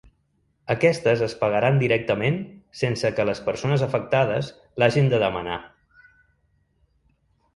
Aquestes es pagaran directament sense que les persones afectades l’hagen de demanar.